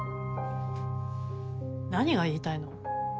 何が言いたいの？